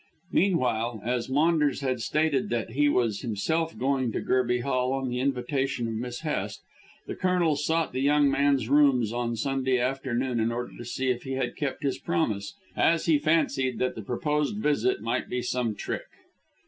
Meanwhile, as Maunders had stated that he was himself going to Gerby Hall on the invitation of Miss Hest, the Colonel sought the young man's rooms on Sunday afternoon in order to see if he had kept his promise, as he fancied that the proposed visit might be some trick.